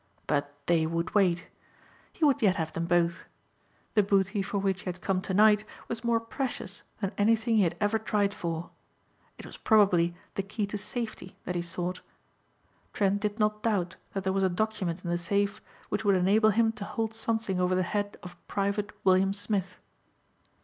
But they would wait. He would yet have them both. The booty for which he had come tonight was more precious than anything he had ever tried for. It was probably the key to safety that he sought. Trent did not doubt that there was a document in the safe which would enable him to hold something over the head of Private William Smith.